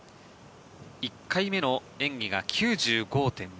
１回目の演技が９５．２。